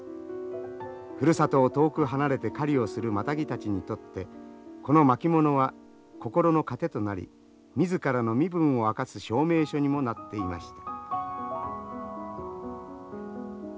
ふるさとを遠く離れて狩りをするマタギたちにとってこの巻物は心の糧となり自らの身分を明かす証明書にもなっていました。